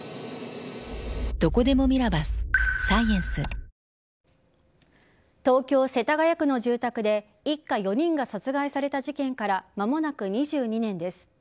東京・世田谷区の住宅で一家４人が殺害された事件から間もなく２２年です。